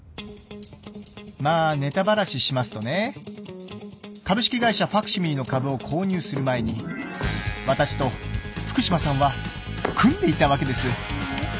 まあネタバラシしますとね株式会社ファクシミリの株を購入する前に私と福島さんは組んでいたわけです。